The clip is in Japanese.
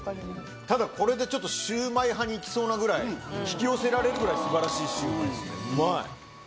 ただこれでちょっとシウマイ派にいきそうなぐらい引き寄せられるぐらい素晴らしいシウマイですねうまい。